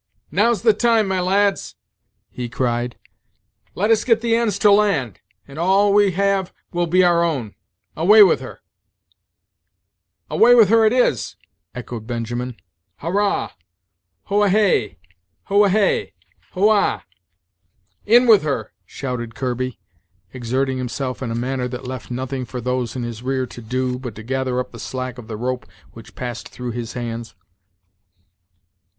"Now's the time, my lads," he cried; "let us get the ends to land, and all we have will be our own away with her!" "Away with her, it is," echoed Benjamin! "hurrah! ho a hay, ho a hoy, ho a!" "In with her," shouted Kirby, exerting himself in a manner that left nothing for those in his rear to do, but to gather up the slack of the rope which passed through his hands.